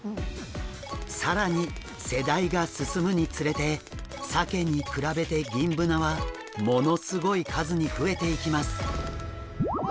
更に世代が進むにつれてサケに比べてギンブナはものすごい数に増えていきます。